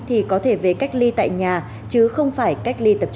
thì có thể về cách ly tại nhà chứ không phải cách ly tập trung